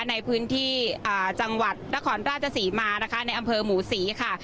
ในพื้นที่จังหวัดนครราชศรีมานะคะในอำเภอหมูศรีค่ะ